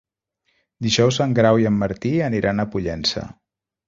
Dijous en Grau i en Martí aniran a Pollença.